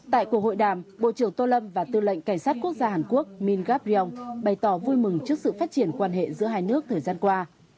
tại cuộc hội đàm bộ trưởng tô lâm và tư lệnh cảnh sát quốc gia hàn quốc ming gapriong bày tỏ vui mừng trước sự phát triển quan hệ giữa hai nước thời gian qua